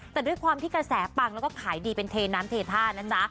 แต่ด้วยความที่กระแสปังแล้วก็ขายดีเป็นเทน้ำเทท่านะ